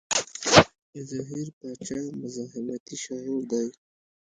زهير باچا مزاحمتي شاعر دی.